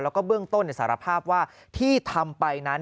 แล้วก็เบื้องต้นสารภาพว่าที่ทำไปนั้น